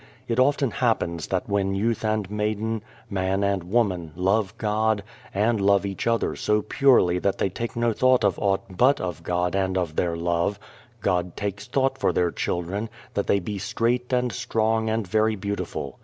It often happens that when youth and maiden, man and woman, love God, and love each other so purely that they take no thought of aught but of God and of their love God takes thought for their children, that they be straight and strong and very beautiful.